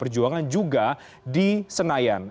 perjuangan juga di senayan